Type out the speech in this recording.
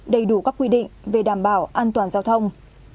đầy đủ các quy định về đảm bảo an toàn giao thông